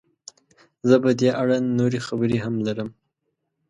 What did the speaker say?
زه په دې اړه نورې خبرې هم لرم.